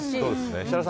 設楽さん